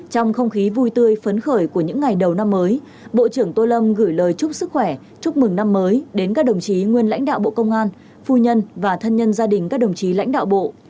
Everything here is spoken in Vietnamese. trong không khí vui tươi phấn khởi của những ngày đầu năm mới bộ trưởng tô lâm gửi lời chúc sức khỏe chúc mừng năm mới đến các đồng chí nguyên lãnh đạo bộ công an phu nhân và thân nhân gia đình các đồng chí lãnh đạo bộ